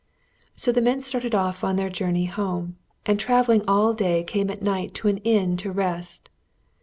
So the men started off on their journey home, and travelling all day came at night to an inn to rest.